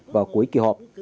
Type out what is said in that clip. vào cuối kỳ hợp